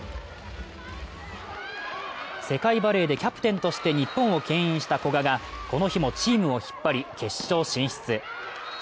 世界バレーでキャプテンとして日本をけん引した古賀がこの日もチームを引っ張り、決勝進出。